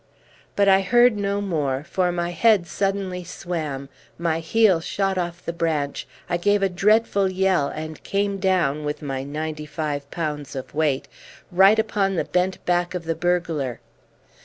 But I heard no more, for my head suddenly swam, my heel shot off the branch, I gave a dreadful yell, and came down, with my ninety five pounds of weight, right upon the bent back of the burglar.